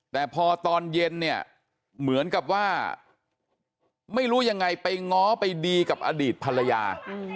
แต่พอตอนเย็นเนี่ยเหมือนกับว่าไม่รู้ยังไงไปง้อไปดีกับอดีตภรรยา